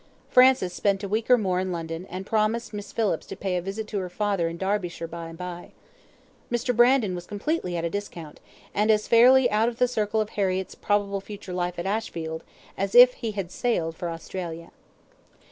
Francis spent a week or more in London, and promised Miss Phillips to pay a visit to her father in Derbyshire by and by. Mr. Brandon was completely at a discount, and as fairly out of the circle of Harriett's probable future life at Ashfield as if he had sailed for Australia.